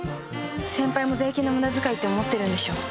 先輩も税金の無駄遣いと思ってるんでしょう